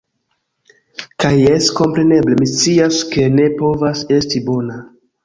Kaj jes, kompreneble, mi scias, ke ne povas esti bona.